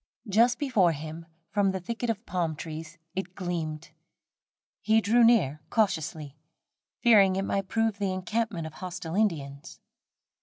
Just before him, from the thicket of palm trees it gleamed. He drew near cautiously, fearing it might prove the encampment of hostile Indians.